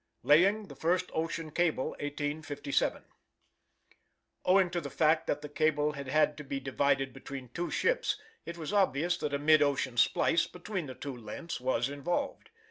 Laying the First Ocean Cable, 1857. Owing to the fact that the cable had had to be divided between two ships it was obvious that a mid ocean splice between the two lengths was involved.